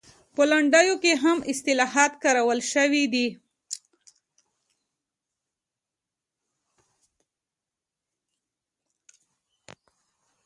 په لنډیو کې هم اصطلاحات کارول شوي دي